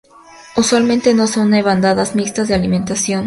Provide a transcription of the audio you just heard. Usualmente no se une a bandadas mixtas de alimentación.